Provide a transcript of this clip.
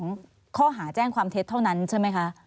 อันนี้เป็นเรื่องของข้อหาแจ้งความเท็จเท่านั้นใช่ไหมคะ